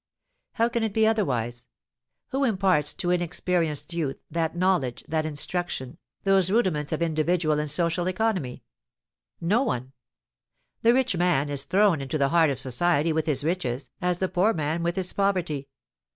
How can it be otherwise? Who imparts to inexperienced youth that knowledge, that instruction, those rudiments of individual and social economy? No one. The rich man is thrown into the heart of society with his riches, as the poor man with his poverty.